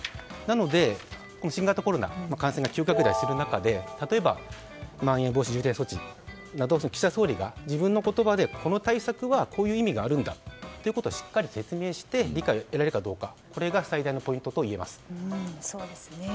なので、新型コロナの感染が急拡大する中で例えばまん延防止等重点措置など岸田総理が自分の言葉でこの対策はこういう意味があるんだとしっかり説明して理解を得られるかどうかが最大のポイントといえます。